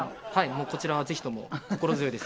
もうこちらはぜひとも心強いです